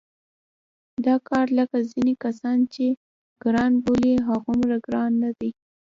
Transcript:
دا کار لکه ځینې کسان چې ګران بولي هغومره ګران نه دی.